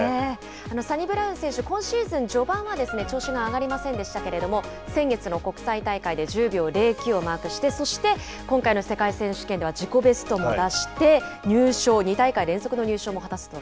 サニブラウン選手、今シーズン序盤は調子が上がりませんでしたけれども、先月の国際大会で１０秒０９をマークして、そして今回の世界選手権では自己ベストも出して、入賞、２大会連続の入賞も果たすと。